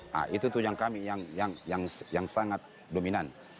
nah itu tujuan kami yang sangat dominan